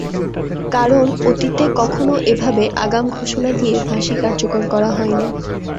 কারণ, অতীতে কখনো এভাবে আগাম ঘোষণা দিয়ে ফাঁসি কার্যকর করা হয়নি।